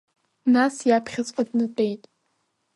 Нас иаԥхьаҵәҟьа днатәеит…